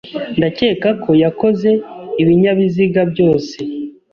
Ndakeka ko yakoze ibinyabiziga byose.